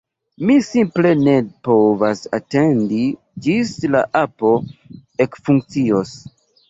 Mi simple ne povas atendi ĝis la apo ekfunkcios!